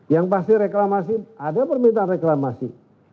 yang pasti reklamasi ada permintaan reklamasi